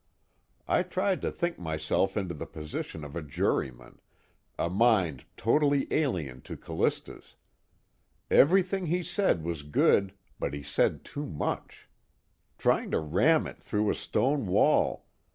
I tried to think myself into the position of a juryman, a mind totally alien to Callista's. Everything he said was good, but he said too much. Trying to ram it through a stone wall....